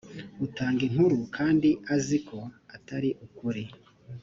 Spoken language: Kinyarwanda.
utanga inkuru kandi azi ko atari ukuri